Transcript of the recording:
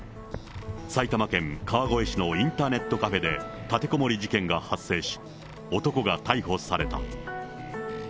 埼玉県川越市のインターネットカフェで、立てこもり事件が発生し、男が逮捕された。